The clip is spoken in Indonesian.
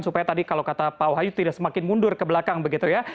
supaya tadi kalau kata pak wahyu tidak semakin mundur ke belakang begitu ya